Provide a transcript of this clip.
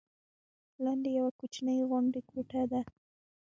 لاندې یوه کوچنۍ غوندې کوټه ده.